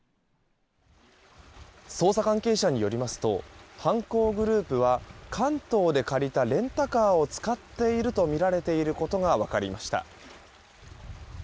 捜査関係者によりますと犯人グループは関東で借りたレンタカーを使っているとみられていることが分かりました。